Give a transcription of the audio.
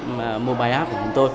mobile app của chúng tôi